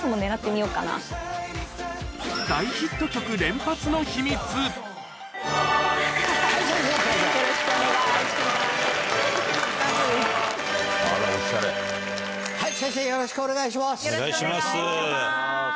よろしくお願いします。